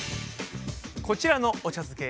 こちらのお茶漬け